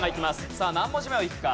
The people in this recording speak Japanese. さあ何文字目をいくか？